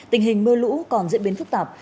tình hình mưa lũ còn diễn biến phức tạp